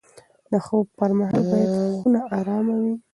د خوب پر مهال باید خونه ارامه وي.